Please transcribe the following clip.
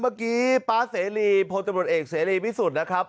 เมื่อกี้ป๊าเสรีโพธิบริษัทเอกเสรีวิสุธนะครับ